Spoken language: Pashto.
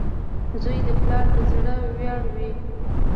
• زوی د پلار د زړۀ ویاړ وي.